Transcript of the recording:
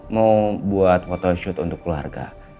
mau buat fotoshoot untuk keluarga